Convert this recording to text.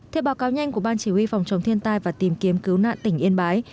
theo báo cáo nhanh của ban chỉ huy phòng chống thiên tai và tìm kiếm cứu nạn tỉnh yên bái